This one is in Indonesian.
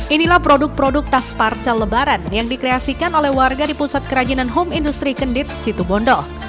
inilah produk produk tas parsel lebaran yang dikreasikan oleh warga di pusat kerajinan home industri kendit situbondo